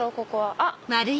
あっ！